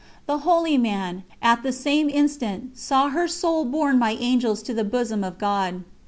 The holy man, at the same instant, saw her soul borne by Angels to the Bosom of God.